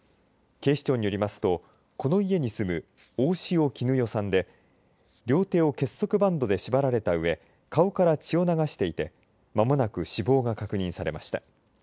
警視庁によりますとこの家に住む大塩衣與さんで両手を結束バンドで縛られたうえ顔から血を流していてまもなく死亡が確認されました。